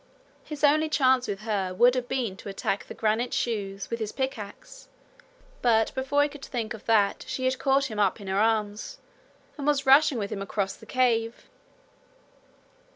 His only chance with her would have been to attack the granite shoes with his pickaxe, but before he could think of that she had caught him up in her arms and was rushing with him across the cave.